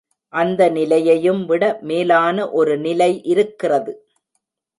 அந்த நிலையையும் விட மேலான ஒரு நிலை இருக்கிறது.